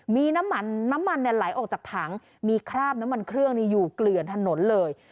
มีน้ำมันน้ำมันไหลออกจากถังมีคราบน้ำมันเครื่องอยู่เกลื่อนถนนเลย